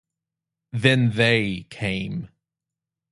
Then they came.